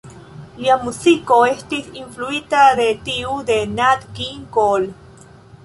Lia muziko estis influita de tiu de Nat King Cole.